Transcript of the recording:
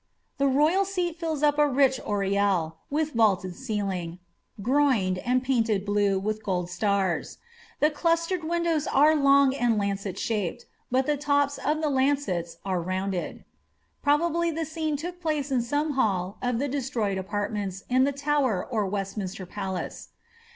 Tlie royal seat fills up a rich oriel, with vaulted ceiling, groined, and painted blue, with gold stars ; the clustered windows are long and ]ancet eha})ed, but the tops of the lancets are rounded. Probably the scene took place in some hall of the destroyed apartments, in the Tower or Westminster Palace.